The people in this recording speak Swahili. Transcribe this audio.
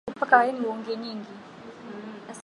Siku zangu zote kaa nami